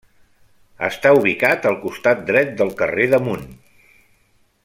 Està ubicat al costat dret del carrer d’Amunt.